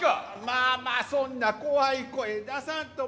まあまあそんな怖い声出さんと。